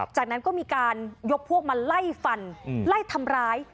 จากนั้นก็มีการยกพวกมาไล่ฟันไล่ทำร้าย